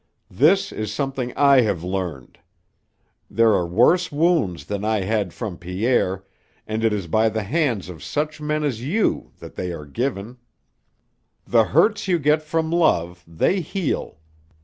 This is something that I have learned. There are worse wounds than I had from Pierre, and it is by the hands of such men as you are that they are given. The hurts you get from love, they heal.